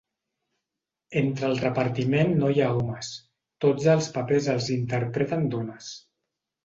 Entre el repartiment no hi ha homes, tots els papers els interpreten dones.